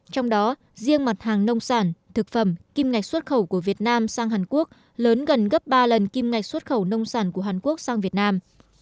trong đó riêng mặt hàng nông sản thực phẩm kim ngạch xuất khẩu của việt nam sang hàn quốc lớn gần gấp ba lần kim ngạch xuất khẩu nông sản của hàn quốc sang việt nam